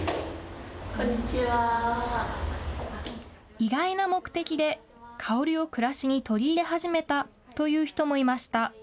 意外な目的で香りを暮らしに取り入れ始めたという人もいました。